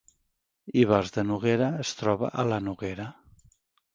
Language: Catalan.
Ivars de Noguera es troba a la Noguera